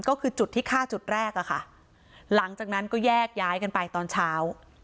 ก็คือจุดที่ฆ่าจุดแรกอะค่ะหลังจากนั้นก็แยกย้ายกันไปตอนเช้า